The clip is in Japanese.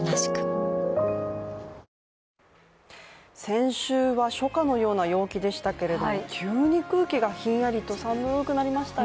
先週は初夏のような陽気でしたけれども急に空気がひんやりと、寒くなりましたね。